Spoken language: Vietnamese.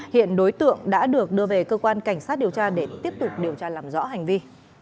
hiện đối tượng đã được đưa về cơ quan cảnh sát điều tra để tiếp tục điều tra làm rõ hành vi